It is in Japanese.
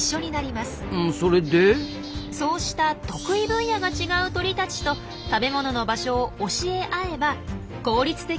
そうした得意分野が違う鳥たちと食べ物の場所を教え合えば効率的に見つけられるんです。